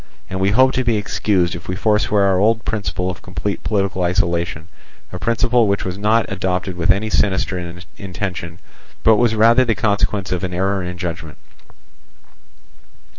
And we hope to be excused if we forswear our old principle of complete political isolation, a principle which was not adopted with any sinister intention, but was rather the consequence of an error in judgment.